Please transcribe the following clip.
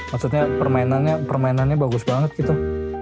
maksudnya permainannya bagus banget gitu